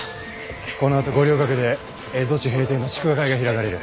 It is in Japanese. このあと五稜郭で蝦夷地平定の祝賀会が開かれる。